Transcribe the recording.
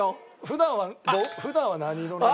普段は普段は何色なの？